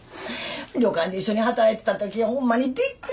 旅館で一緒に働いてた時ほんまにびっくりしたわ。